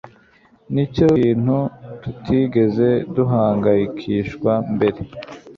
Nicyo kintu tutigeze duhangayikishwa mbere.